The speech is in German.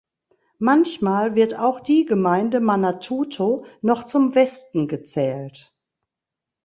Manchmal wird auch die Gemeinde Manatuto noch zum Westen gezählt.